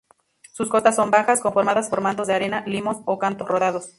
Sus costas son bajas, conformadas por mantos de arena, limos o cantos rodados.